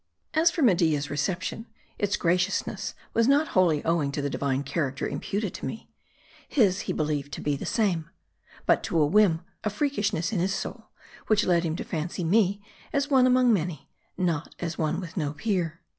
As for Media's reception, its graciousness was not wholly 208 M A R D I. owing to the divine character imputed to me. His, he be lieved to be the same. But to a whim, a freakishness in his soul, which led him to fancy me as one among many, not as one with no peer.